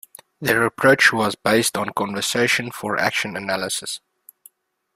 Their approach was based on conversation-for-action analysis.